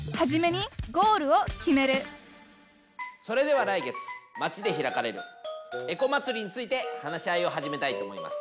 それでは来月町で開かれるエコまつりについて話し合いを始めたいと思います。